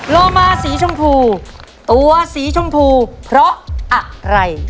โลมาสีชมพูตัวสีชมพูเพราะอะไร